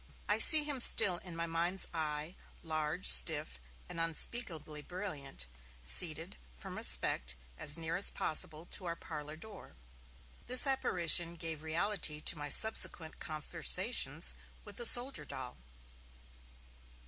I see him still in my mind's eye, large, stiff, and unspeakably brilliant, seated, from respect, as near as possible to our parlour door. This apparition gave reality to my subsequent conversations with the soldier doll.